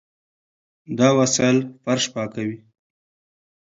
دا وسایل فرش پاکوي.